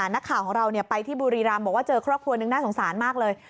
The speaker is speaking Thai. นักข่าวของเราไปที่บุรีรำบอกว่าเจอครอบครัวนึงน่าสงสารมากเลย